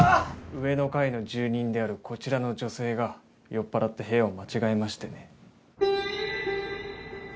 上の階の住人であるこちらの女性が酔っ払って部屋を間違えましてね。